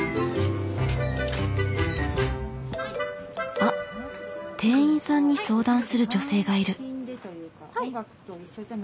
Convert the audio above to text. あっ店員さんに相談する女性がいる。